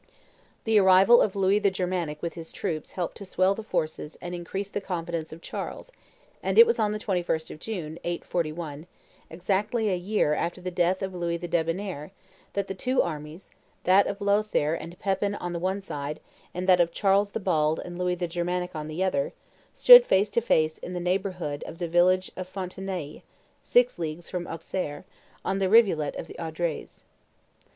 The arrival of Louis the Germanic with his troops helped to swell the forces and increase the confidence of Charles; and it was on the 21st of June, 841, exactly a year after the death of Louis the Debonnair, that the two armies, that of Lothaire and Pepin on the one side, and that of Charles the Bald and Louis the Germanic on the other, stood face to face in the neighborhood of the village of Fontenailles, six leagues from Auxerre, on the rivulet of Audries.